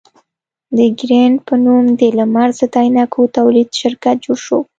د ګرېنټ په نوم د لمر ضد عینکو تولید شرکت جوړ شو.